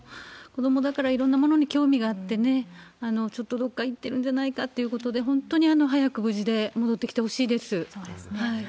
子どもだからいろんなものに興味があってね、ちょっと、どっか行ってるんじゃないかということで、本当に早く無事で戻っそうですね。